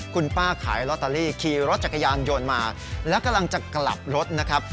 คุณป้าขายลอตเตอรี่ขี่รถจักรยานยนต์มาแล้วกำลังจะกลับรถนะครับ